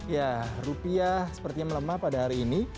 ya rupiah sepertinya melemah pada hari ini